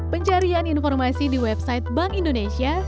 pencarian informasi di website bank indonesia